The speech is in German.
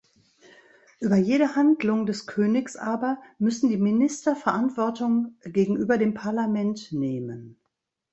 Über jede Handlung des Königs aber müssen die Minister Verantwortung gegenüber dem Parlament nehmen.